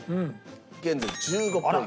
現在１５ポイント。